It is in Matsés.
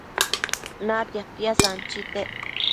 Natia piasanchitec